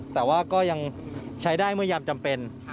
แต่ว่าก็ยังใช้ได้เมื่อยามจำเป็น